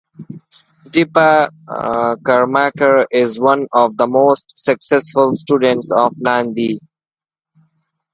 Dipa Karmakar is one of the most successful students of Nandi.